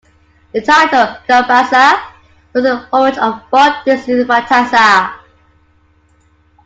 The title "Gumbasia" was in homage to Walt Disney's "Fantasia".